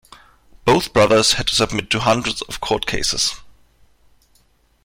Both brothers had to submit to hundreds of court cases.